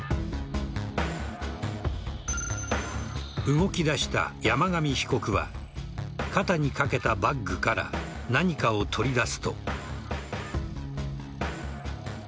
動き出した山上被告は肩に掛けたバッグから何かを取り出すと。